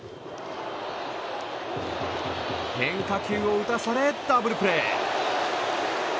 変化球を打たされダブルプレー。